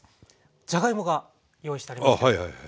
じゃがいもが用意してありますけれども。